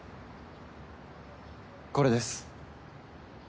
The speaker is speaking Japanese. これです。